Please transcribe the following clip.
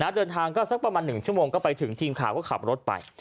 เดินทางก็สักประมาณ๑ชั่วโมงก็ไปถึงทีมข่าวก็ขับรถไป